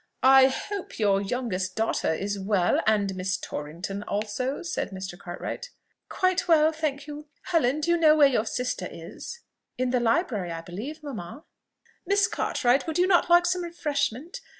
"I hope your youngest daughter is well, and Miss Torrington also?" said Mr. Cartwright. "Quite well, thank you. Helen, do you know where your sister is?" "In the library, I believe, mamma." "Miss Cartwright, would you not like some refreshment?...